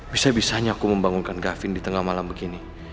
bisa bisanya aku membangunkan gavin di tengah malam begini